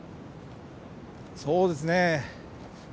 そうですね。